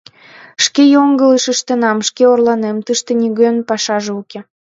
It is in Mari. Шке йоҥылыш ыштенам, шке орланем, тыште нигӧн пашаже уке.